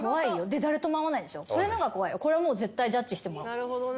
これ絶対ジャッジしてもらおう。